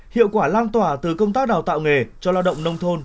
hiệu quả lan tỏa từ công tác đào tạo nghề cho lao động nông thôn